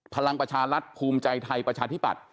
พลังประชารัฐภูมิใจไทยประชาธิปัตย